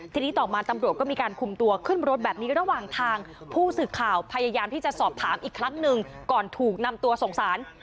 ทีนี้ต่อมาตำรวจก็มีการคุมตัวขึ้นรถแบบนี้ระหว่างทางผู้สื่อข่าวพยายามที่จะสอบถามอีกครั้งหนึ่งก่อนถูกนำตัวส่งสาร